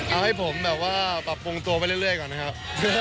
เอาให้ผมแบบว่าปรับปรุงตัวไปเรื่อยก่อนนะครับ